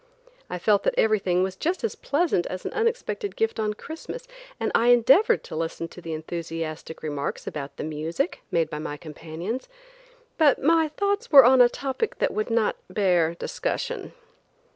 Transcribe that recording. I felt that everything was just as pleasant as an unexpected gift on Christmas, and I endeavored to listen to the enthusiastic remarks about the music made by my companions, but my thoughts were on a topic that would not bear discussion.